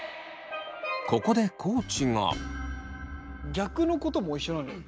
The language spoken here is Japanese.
逆のことも一緒なんだよ。